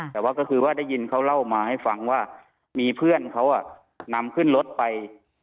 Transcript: แต่ว่าก็คือว่าได้ยินเขาเล่ามาให้ฟังว่ามีเพื่อนเขานำขึ้นรถไป